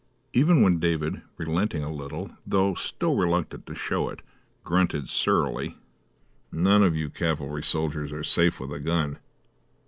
Even when David, relenting a little, though still reluctant to show it, grunted surlily, "None of you cavalry soldiers are safe with a gun."